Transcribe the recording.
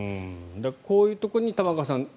こういうところに玉川さん